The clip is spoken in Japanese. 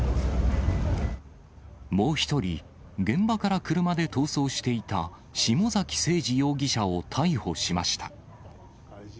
もう１人、現場から車で逃走していた、下崎星児容疑者を逮捕しました。